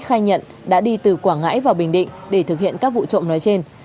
khai nhận đã đi từ quảng ngãi vào bình định để thực hiện các vụ trộm nói trên